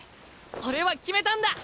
俺は決めたんだ！